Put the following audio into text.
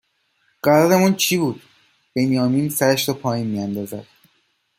قرارمون چی بود بنیامین سرش را پایین می اندازد